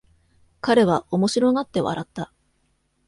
彼は面白がって笑った。